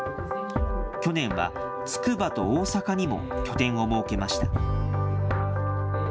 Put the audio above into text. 去年はつくばと大阪にも拠点を設けました。